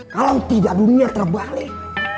kalau tidak dunia terbalik